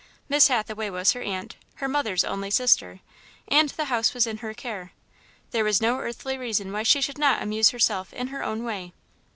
Miss Hathaway was her aunt, her mother's only sister, and the house was in her care. There was no earthly reason why she should not amuse herself in her own way.